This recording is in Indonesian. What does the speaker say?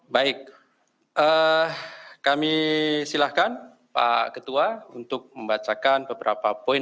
baik kami silakan pak ketua untuk membacakan beberapa poin